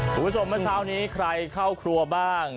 คุณผู้ชมเมื่อเช้านี้ใครเข้าครัวบ้าง